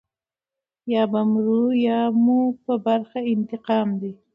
یا به مرو یا مو په برخه انتقام دی.